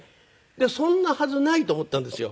でそんなはずないと思ったんですよ。